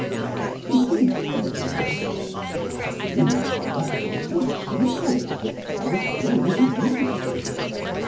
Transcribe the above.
They do not use it often. The meaning of the word is so simple that they are afraid of using it.